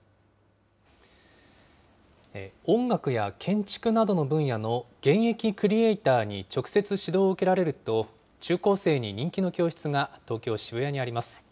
音楽や建築などの分野の現役クリエイターに直接指導を受けられると、中高生に人気の教室が東京・渋谷にあります。